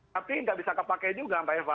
tapi nggak bisa terpakai juga pak eva